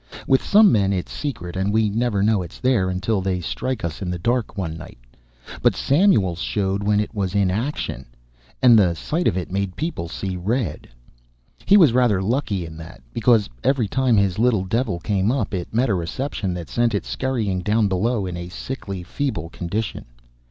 With some men it's secret and we never know it's there until they strike us in the dark one night. But Samuel's showed when it was in action, and the sight of it made people see red. He was rather lucky in that, because every time his little devil came up it met a reception that sent it scurrying down below in a sickly, feeble condition.